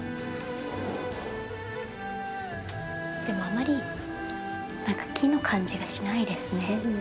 でもあまり木の感じがしないですね。